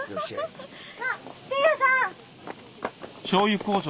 あっ信也さん！